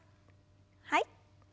はい。